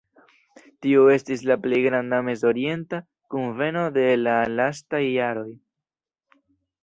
Tio estis la plej granda Mezorienta Kunveno de la lastaj jaroj.